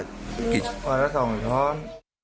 วันละ๒ช้อนคือวันละ๒ช้อน